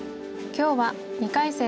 今日は２回戦